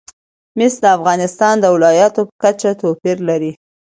مس د افغانستان د ولایاتو په کچه توپیر لري.